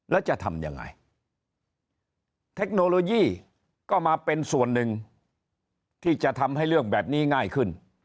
แล้วจะทำยังไงเทคโนโลยีก็มาเป็นส่วนหนึ่งที่จะทำให้เรื่องแบบนี้ง่ายขึ้น